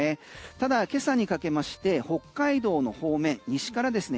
ただ、今朝にかけまして北海道の方面西からですね